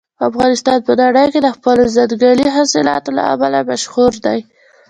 افغانستان په نړۍ کې د خپلو ځنګلي حاصلاتو له امله مشهور دی.